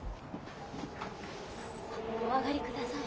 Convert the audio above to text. お上がり下さい。